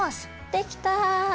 できた！